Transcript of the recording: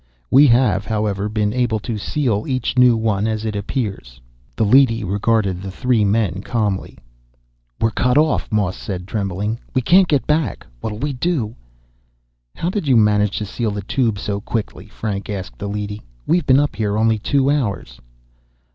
We have, however, been able to seal each new one as it appears." The leady regarded the three men calmly. "We're cut off," Moss said, trembling. "We can't get back. What'll we do?" "How did you manage to seal the Tube so quickly?" Franks asked the leady. "We've been up here only two hours."